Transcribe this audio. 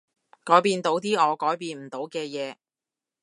改變到啲我改變唔到嘅嘢